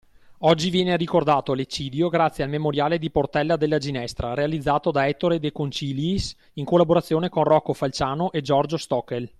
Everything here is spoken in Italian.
Oggi viene ricordato l’eccidio grazie al “Memoriale di Portella della Ginestra”, realizzato da Ettore De Conciliis, in collaborazione con Rocco Falciano e Giorgio Stockel.